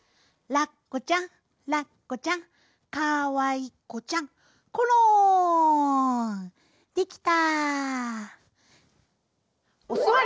「ラッコちゃんラッコちゃんかわいこちゃんころん」できた。